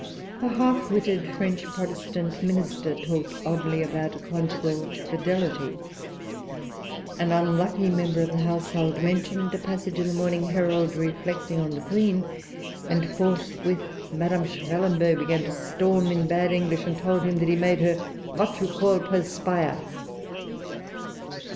A half witted French Protestant minister talked oddly about conjugal fidelity. An unlucky member of the household mentioned a passage in the Morning Herald reflecting on the Queen; and forthwith Madame Schwellenberg began to storm in bad English, and told him that he made her "what you call perspire!"